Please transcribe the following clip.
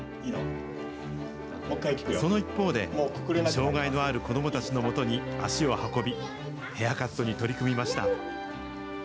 その一方で、障害のある子どもたちのもとに足を運び、ヘアカットに取り組みました。